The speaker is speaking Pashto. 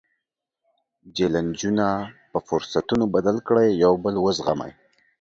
جیلنجونه په فرصتونو بدل کړئ، یو بل وزغمئ.